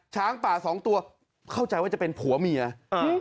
ช้างป่าสองตัวเข้าใจว่าจะเป็นผัวเมียอ่า